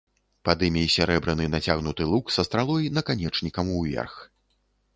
Пад імі сярэбраны нацягнуты лук са стралой наканечнікам уверх.